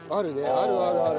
あるあるある。